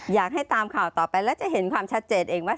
อยากให้ตามข่าวต่อไปแล้วจะเห็นความชัดเจนเองว่า